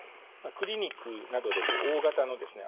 クリニックなどで大型のですね